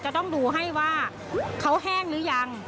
จะต้องดูให้ว่าเขาแห้งหรือยัง